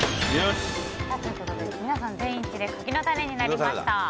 皆さん、全員一致で柿の種になりました。